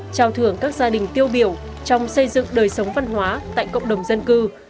trao thưởng các gia đình tiêu biểu trong xây dựng đời sống văn hóa tại cộng đồng dân cư